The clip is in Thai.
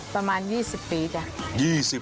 ประมาณ๒๐ปีจ้ะ